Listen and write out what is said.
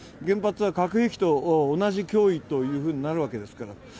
原発は核兵器と同じ脅威となるわけですから。